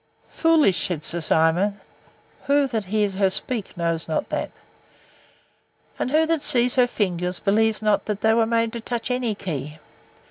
Foolish! said Sir Simon; who, that hears her speak, knows not that? And who that sees her fingers, believes not that they were made to touch any key?